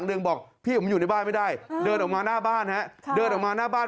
เดินออกมาหน้าบ้านครับเดินออกมาหน้าบ้าน